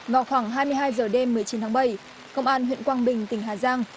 vào khoảng hai mươi hai giờ đêm một mươi chín tháng bảy công an huyện quang bình tỉnh hà giang